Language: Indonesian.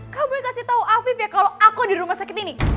kamu kasih tahu afif ya kalau aku di rumah sakit ini